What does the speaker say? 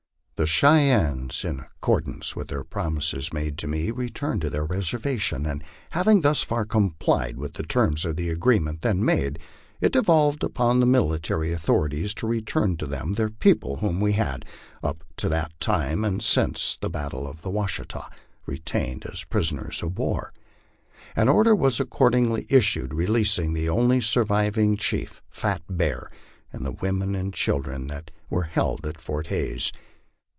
The Cheyennes, in accordance with their promise made to me, returned to their reservation; and having thus far complied with the terms of the agree ment then made, it devolved upon the military authorities to return to them their people whom we had, up to that time and since the battle of the .Washita, retained as prisoners of war. An order was accordingly issued releasing the only surviving chief, Fat Bear, and the women and children then held at Fort Hays.